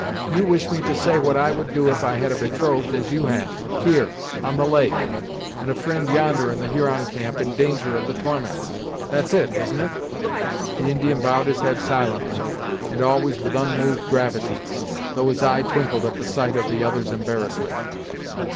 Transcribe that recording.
You wish me to say what I would do if I had a betrothed as you have, here, on the lake, and a fri'nd yonder in the Huron camp, in danger of the torments. That's it, isn't it?" The Indian bowed his head silently, and always with unmoved gravity, though his eye twinkled at the sight of the other's embarrassment.